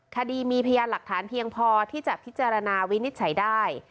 คดีมีพยานหลักฐานเพียงพอที่จะพิจารณาวินิจฉัยได้